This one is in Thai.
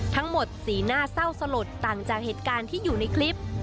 สีหน้าเศร้าสลดต่างจากเหตุการณ์ที่อยู่ในคลิป